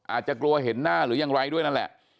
อาจจะกลัวเห็นหน้าหรือยังไรด้วยนั่นแหละ